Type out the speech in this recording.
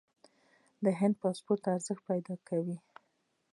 د هند پاسپورت ارزښت پیدا کوي.